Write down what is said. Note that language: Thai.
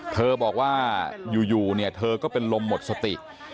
เธอบอกว่าอยู่เนี่ยเธอก็เป็นลมหมดสติ